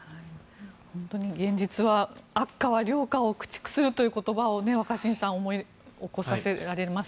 本当に現実は悪貨は良貨を駆逐するという言葉を若新さん思い起こさせられます。